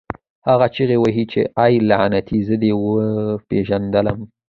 هغه چیغې وهلې چې اې لعنتي زه دې وپېژندلم